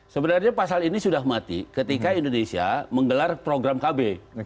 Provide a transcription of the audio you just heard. sebenarnya pasal ini sudah mati ketika indonesia menggelar program kb